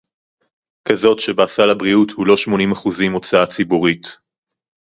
כזאת שבה סל הבריאות הוא לא שמונים אחוזים הוצאה ציבורית